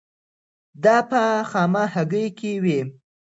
دا په خامه هګۍ کې وي.